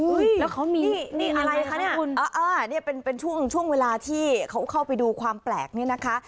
แล้วเขามีนี่อะไรคะเนี่ยคุณนี่เป็นช่วงช่วงเวลาที่เขาเข้าไปดูความแปลกนี่นะคะ